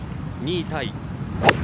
２位タイ。